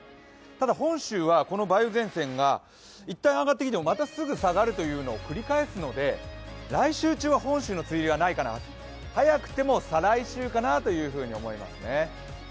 ただ本州はこの梅雨前線がいったん上がってきてもまたすぐ下がるというのを繰り返すので来週中は本州の梅雨入りはないかな、早くても再来週かなと思いますね。